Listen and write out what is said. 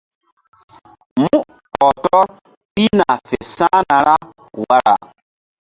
Mú ɔh tɔr pihna fe sa̧hna ra wara.